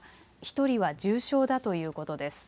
１人は重症だということです。